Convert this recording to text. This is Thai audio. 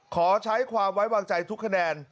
ขอใช้ความไว้วางใจทุกคะแนน